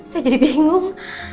saya jadi bingung